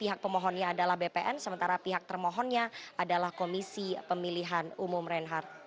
pihak pemohonnya adalah bpn sementara pihak termohonnya adalah komisi pemilihan umum reinhardt